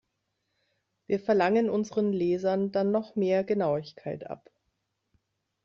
Wir verlangen unseren Lesern dann noch mehr Genauigkeit ab.